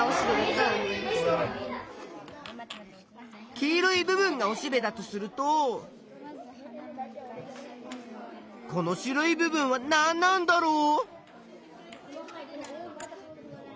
黄色い部分がおしべだとするとこの白い部分はなんなんだろう？